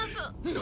何！？